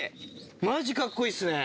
マジカッコいいっすね！